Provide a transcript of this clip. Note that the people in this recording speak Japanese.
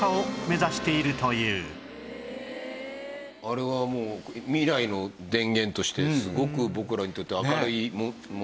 あれはもう未来の電源としてすごく僕らにとって明るいものですよね。